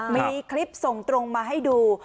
มีคลิปส่งตรงมาให้ดู